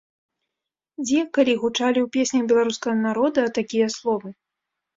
Дзе, калі гучалі ў песнях беларускага народа такія словы?